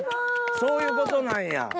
そういうことなんや。